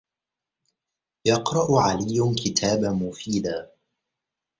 يَقْرَأُ عَلِيٌّ كِتَابًا مُفِيدًا.